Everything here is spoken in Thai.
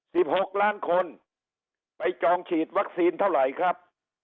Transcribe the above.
หกล้านคนไปจองฉีดวัคซีนเท่าไหร่ครับ